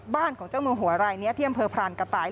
บ้านของเจ้ามือหัวรายนี้ที่อำเภอพรานกระต่าย